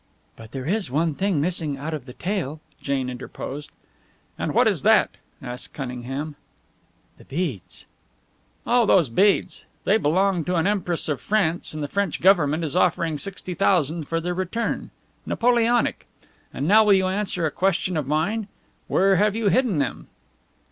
"But there is one thing missing out of the tale," Jane interposed. "And what is that?" asked Cunningham. "Those beads." "Oh, those beads! They belonged to an empress of France, and the French Government is offering sixty thousand for their return. Napoleonic. And now will you answer a question of mine? Where have you hidden them?"